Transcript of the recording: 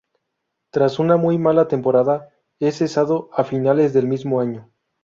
Tras una muy mala temporada es cesado a finales del mismo año.